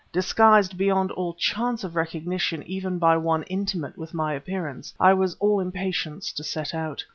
Disguised beyond all chance of recognition even by one intimate with my appearance, I was all impatience to set out.